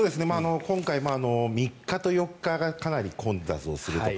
今回、３日と４日がかなり混雑をすると。